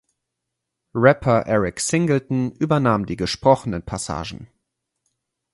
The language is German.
Rapper Eric Singleton übernahm die gesprochenen Passagen.